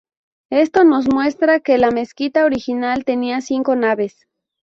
Esto nos muestra que la mezquita original tenía cinco naves.